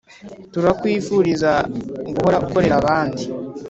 turakwifuriza guhora ukorera abandi